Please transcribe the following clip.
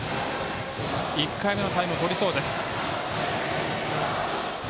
１回目のタイムをとりそうです。